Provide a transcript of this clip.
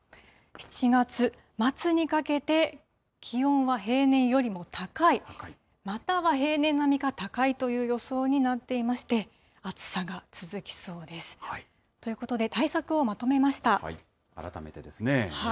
７月末にかけて、気温は平年よりも高い、または平年並みか高いという予想になっていまして、暑さが続きそうです。ということで、対策をまとめまし改めてですね。